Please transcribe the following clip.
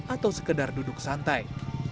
atau sekedar duduk santai